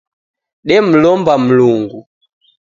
Demlomba Mlungu